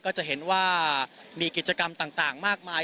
ก็จะเห็นว่ามีกิจกรรมต่างมากมาย